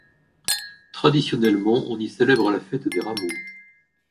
Traditionnellement on y célèbre la fête des Rameaux.